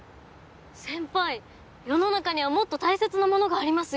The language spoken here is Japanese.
先輩世の中にはもっと大切なものがありますよ。